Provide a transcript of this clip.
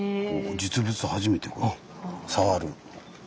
実物初めて触る。